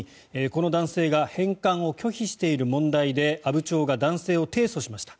この男性が返還を拒否している問題で阿武町が男性を提訴しました。